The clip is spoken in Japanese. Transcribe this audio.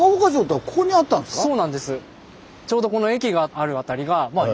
そうなんです。